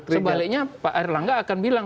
sebaliknya pak erlangga akan bilang